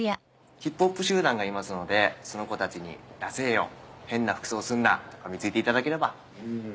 ヒップホップ集団がいますのでその子たちに「ダセェよ変な服装すんな」とかみついていただければ。